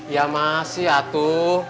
ya masih atur